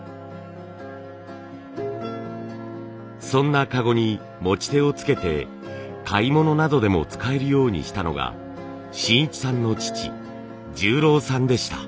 そんな籠に持ち手を付けて買い物などでも使えるようにしたのが信一さんの父十郎さんでした。